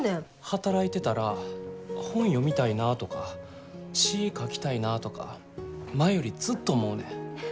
働いてたら本読みたいなとか詩書きたいなとか前よりずっと思うねん。